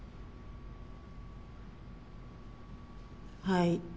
はい。